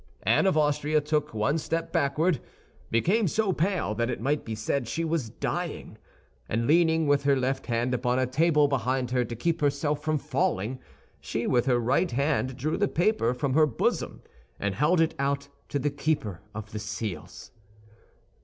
Anne of Austria took one step backward, became so pale that it might be said she was dying, and leaning with her left hand upon a table behind her to keep herself from falling, she with her right hand drew the paper from her bosom and held it out to the keeper of the seals.